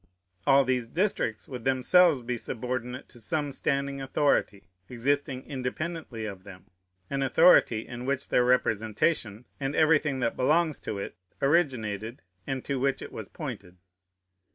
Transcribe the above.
All these districts would themselves be subordinate to some standing authority, existing independently of them, an authority in which their representation, and everything that belongs to it, originated, and to which it was pointed.